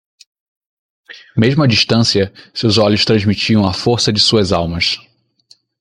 Mesmo a distância, seus olhos transmitiam a força de suas almas.